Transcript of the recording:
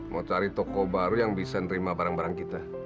mau cari toko baru yang bisa nerima barang barang kita